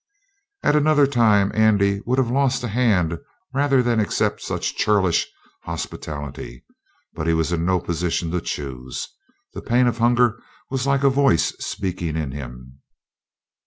At another time Andy would have lost a hand rather than accept such churlish hospitality, but he was in no position to choose. The pain of hunger was like a voice speaking in him.